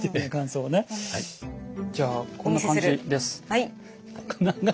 じゃあこんな感じです。